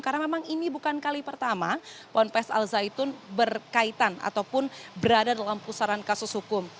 karena memang ini bukan kali pertama pompes al zaitun berkaitan ataupun berada dalam pusaran kasus hukum